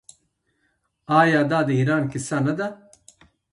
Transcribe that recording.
آیا دا د ایران کیسه نه ده؟